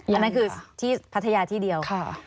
อันนั้นคือที่พัทยาที่เดียว